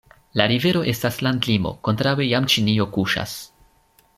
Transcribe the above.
La rivero estas landlimo, kontraŭe jam Ĉinio kuŝas.